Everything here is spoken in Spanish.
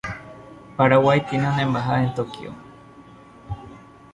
Paraguay tiene una embajada en Tokio.